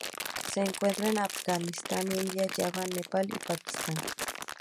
Se encuentra en Afganistán, India, Java, Nepal y Pakistán.